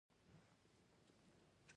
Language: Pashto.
• شتمن سړی باید د حرام مال څخه ځان وساتي.